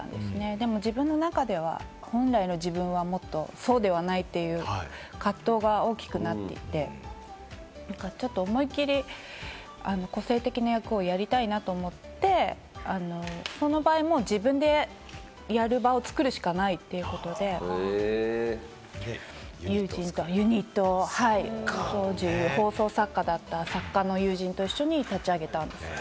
でも、自分の中では、本来の自分はもっとそうではないという葛藤が大きくなっていて、ちょっと思い切り個性的な役をやりたいなと思って、その場合、もう自分でやる場を作るしかないということで、友人とユニットを、当時、放送作家だった友人と一緒に立ち上げたんです。